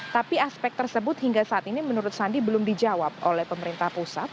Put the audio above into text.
tapi aspek tersebut hingga saat ini menurut sandi belum dijawab oleh pemerintah pusat